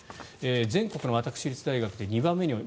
全国の私立大学で２番目に多い。